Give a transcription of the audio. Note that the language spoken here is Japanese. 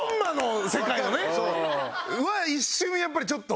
一瞬やっぱりちょっと。